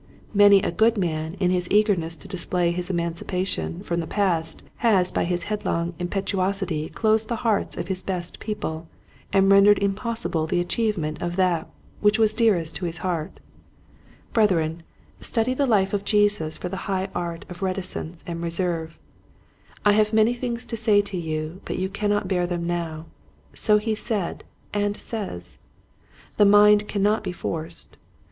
Many a good man in his eagerness to display his emancipa tion from the past has by his headlong impetuosity closed the hearts of his best people, and rendered impossible the achievement of that which was dearest to his heart. Brethren, study the life of Jesus for the 64 Quiet Hints to Growing Preachers, high art of reticence and reserve. " I have many things to say unto you but you can not bear them now :" so he said and says. The mind cannot be forced.